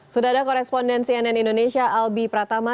sudara koresponden cnn indonesia albi pratama